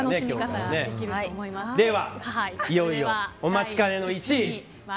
ではいよいよお待ちかねの１位。